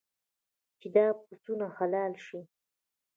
چې دا پسونه حلال شي.